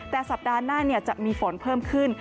แต่สัปดาห์หน้าจะมีฝนเพิ่มขึ้น